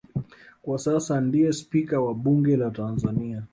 Kwa sasa ndiye Spika wa Bunge la Tanzania